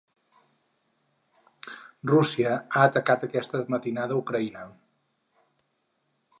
Rússia ha atacat aquesta matinada Ucraïna.